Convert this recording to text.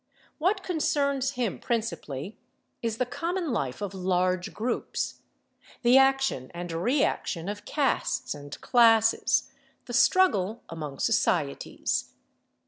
What concerns him principally is the common life of large groups, the action and reaction of castes and classes, the struggle among societies.